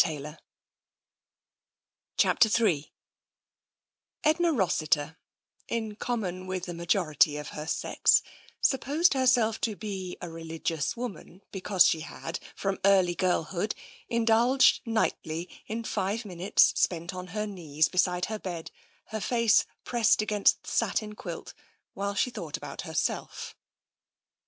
and the Bible.' " Ill Edna Rossiter, in common with the majority of her sex, supposed herself to be a religious woman be cause she had, from early girlhood, indulged nightly in five minutes spent on her knees beside her bed, her face pressed against the satin quilt, while she thought about herself.